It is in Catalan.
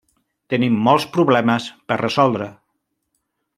Tenim molts problemes per resoldre.